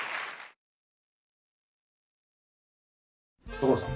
所さん。